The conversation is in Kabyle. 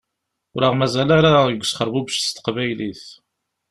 Ur aɣ-mazal ara deg wesxerbubec s teqbaylit.